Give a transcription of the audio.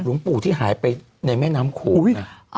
หลวงปู่ที่หายไปในแม่น้ำโขง